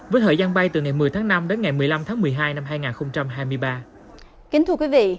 với thời gian bay từ ngày một mươi tháng năm đến ngày một mươi năm tháng một mươi hai năm hai nghìn hai mươi ba